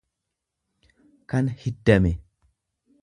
kan hiddame.